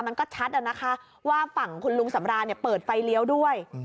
มันก็ชัดนะคะว่าฝั่งคุณลุงสำรานเปิดไฟเลี้ยวด้วย